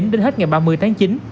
đến hết ngày ba mươi tháng chín